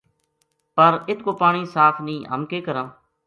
پر اِت کو پانی صاف نیہہ ہم کے کراں ؟